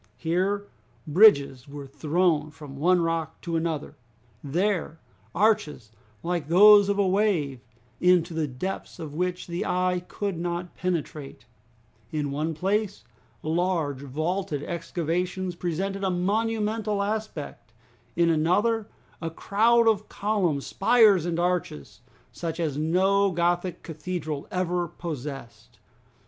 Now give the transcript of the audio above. Here, bridges were thrown from one rock to another; there, arches like those of a wave, into the depths of which the eye could not penetrate; in one place, large vaulted excavations presented a monumental aspect; in another, a crowd of columns, spires, and arches, such as no Gothic cathedral ever possessed.